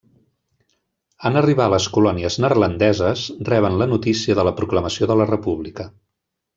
En arribar a les colònies neerlandeses reben la notícia de la proclamació de la república.